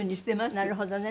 なるほどね。